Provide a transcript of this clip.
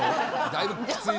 だいぶきつい。